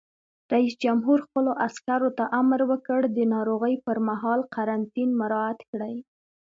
رئیس جمهور خپلو عسکرو ته امر وکړ؛ د ناروغۍ پر مهال قرنطین مراعات کړئ!